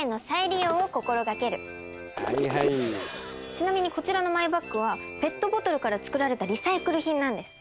ちなみにこちらのマイバッグはペットボトルから作られたリサイクル品なんです。